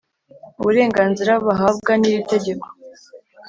uburenganzira bahabwa n’iri tegeko